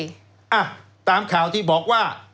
เค้าทำข่าวที่บอกว่า